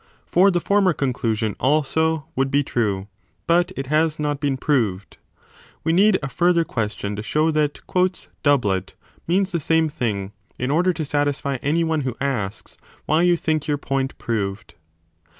For the former conclusion also would be true, but it has not been proved ; we need a further question to show that doublet means the same thing, in order to satisfy any one who asks why you think your point proved.